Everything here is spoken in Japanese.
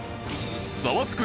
『ザワつく！